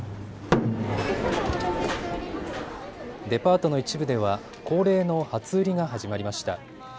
デパートの一部では恒例の初売りが始まりました。